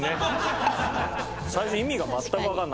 最初意味が全くわかんない。